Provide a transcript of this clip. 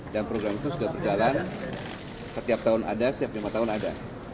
program itu sudah berjalan setiap tahun ada setiap lima tahun ada